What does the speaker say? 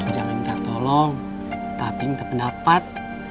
jangan minta tolong tapi minta pendapat